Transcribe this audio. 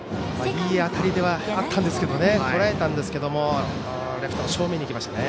いい当たりではあったんですけどとらえたんですけどもレフトの正面に行きましたね。